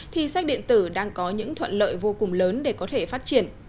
thì sách điện tử đang có những thuận lợi vô cùng lớn để có thể phát triển